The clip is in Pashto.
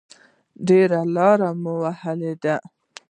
ډېره لاره مو وهلې وه.